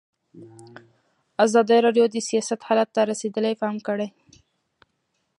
ازادي راډیو د سیاست حالت ته رسېدلي پام کړی.